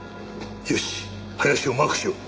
よし林をマークしよう。